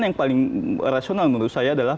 yang paling rasional menurut saya adalah